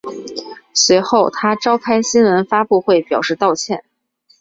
随后他召开新闻发布会表示道歉。